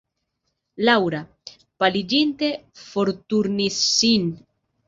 Laŭra, paliĝinte, forturnis sin.